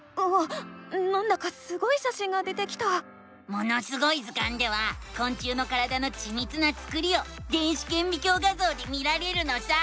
「ものすごい図鑑」ではこん虫の体のちみつなつくりを電子けんびきょう画ぞうで見られるのさ！